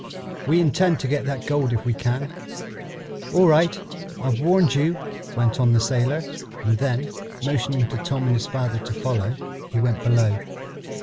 "We intend to get that gold if we can." "All right. I've warned you," went on the sailor, and then, motioning to Tom and his father to follow, he went below.